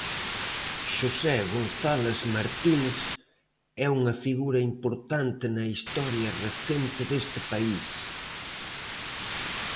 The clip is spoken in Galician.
Xosé González Martínez é unha figura importante na historia recente deste país.